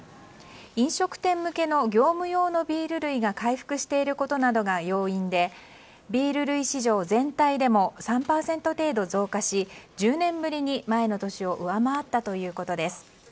飲食店向けの業務用のビール類が回復していることなどが要因でビール類市場全体でも３％程度増加し１０年ぶりに前の年を上回ったということです。